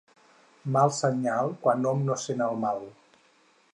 Mal senyal quan hom no sent el mal.